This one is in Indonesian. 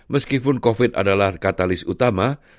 meskipun covid adalah katalis utama